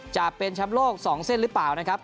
จะเป็นแชมป์โลก๒เส้นหรือเปล่านะครับ